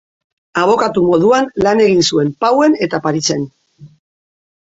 Abokatu moduan lan egin zuen Pauen eta Parisen.